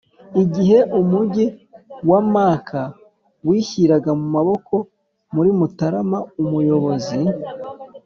igihe umugi wa maka wishyiraga mu maboko muri mutarama umuyobozi.